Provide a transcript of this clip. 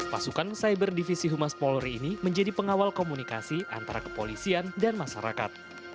pasukan cyber divisi humas polri ini menjadi pengawal komunikasi antara kepolisian dan masyarakat